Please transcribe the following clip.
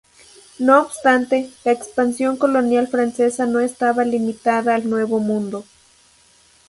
No obstante, la expansión colonial francesa no estaba limitada al Nuevo Mundo.